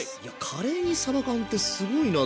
カレーにさば缶ってすごいな。